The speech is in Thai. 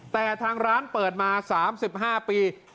แต่ทางร้านเปิดมา๓๕ปี